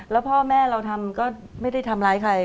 แล้วพ่อแม่เราทำก็ไม่ได้ทำร้ายใคร